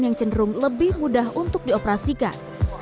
yang cenderung lebih mudah untuk dioperasikan